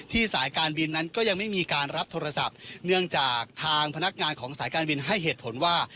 สายการบินนั้นก็ยังไม่มีการรับโทรศัพท์เนื่องจากทางพนักงานของสายการบินให้เหตุผลว่า